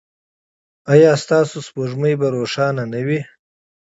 ایا ستاسو سپوږمۍ به روښانه نه وي؟